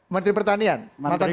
menteri pertanian mantan gubernur